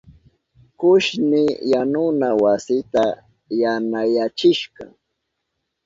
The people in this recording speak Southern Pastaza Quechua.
Kushni yanuna wasita yanayachishka.